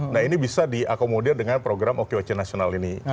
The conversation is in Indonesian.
nah ini bisa diakomodir dengan program okoc nasional ini